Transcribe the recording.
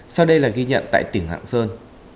sau đây là ghi nhận tại tỉnh hạng sơn